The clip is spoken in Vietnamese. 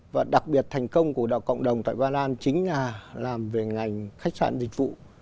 và đặc biệt thành công của cộng đồng tại ba lan chính là làm về ngành khách sạn dịch vụ